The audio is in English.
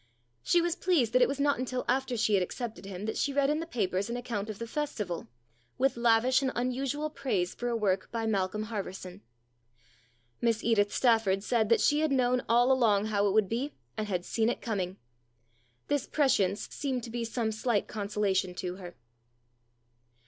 She was pleased that it was not until after she had accepted him that she read in the papers an account of the Festival, with lavish and unusual praise for a work by Malcolm Harverson. Miss Edith Stafford said that she had known all along how it would be, and had seen it coming. This prescience seemed to be some slight consola tion to her.